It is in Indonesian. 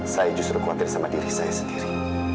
saya justru khawatir sama diri saya sendiri